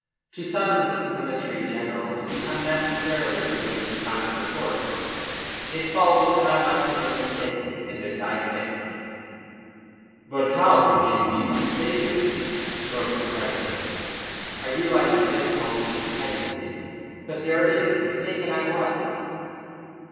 To summon the Commissary General would be unnecessarily to waste the time of the court. It follows that I must have been mistaken, and this I admit." "But how could you be mistaken?" broke from the president. "I realise your difficulty in crediting, it. But there it is. Mistaken I was."